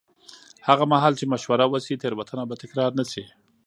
هغه مهال چې مشوره وشي، تېروتنه به تکرار نه شي.